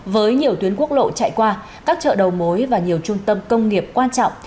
với nhiều tuyến quốc lộ chạy qua các chợ đầu mối và nhiều trung tâm công nghiệp quan trọng